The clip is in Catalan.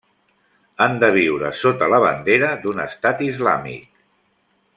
Han de viure sota la bandera d'un estat islàmic.